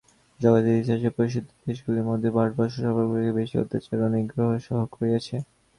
জগতের ইতিহাসে প্রসিদ্ধ দেশগুলির মধ্যে ভারতবর্ষ সর্বাপেক্ষা বেশী অত্যাচার ও নিগ্রহ সহ্য করিয়াছে।